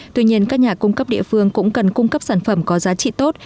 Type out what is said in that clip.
tuy nhiên các nhà cung cấp địa phương cũng cần cung cấp sản phẩm có giá trị tốt